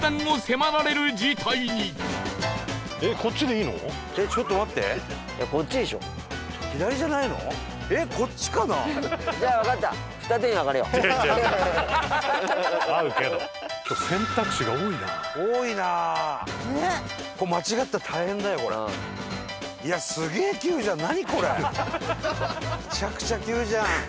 めちゃくちゃ急じゃん。